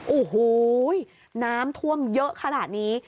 โอ้โหน้ำท่วมเยอะขนาดนี้